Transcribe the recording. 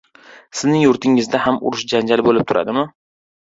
— Sizning yurtingizda ham urush-janjal bo‘lib turadimi?